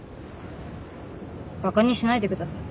バカにしないでください。